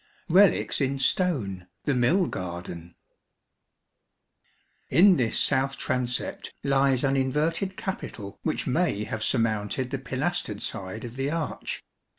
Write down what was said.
Relics in Stone, the Mill Garden. In this south transept lies an inverted capital which may have surmounted the pilastered side of the arch.